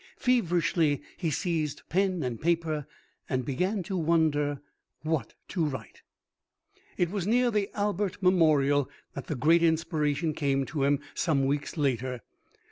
Feverishly he seized pen and paper and began to wonder what to write. II It was near the Albert Memorial that the great inspiration came to him some weeks later.